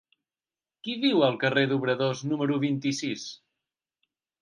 Qui viu al carrer d'Obradors número vint-i-sis?